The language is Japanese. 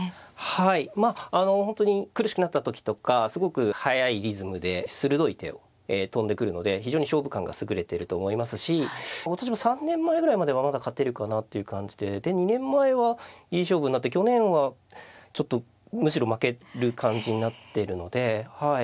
はいまああの本当に苦しくなった時とかすごく速いリズムで鋭い手をえ飛んでくるので非常に勝負勘が優れてると思いますし私も３年前ぐらいまではまだ勝てるかなっていう感じでで２年前はいい勝負になって去年はちょっとむしろ負ける感じになってるのではい